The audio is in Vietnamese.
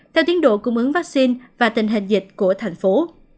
theo tiến độ cung ứng vaccine và tình hình dịch của thành phố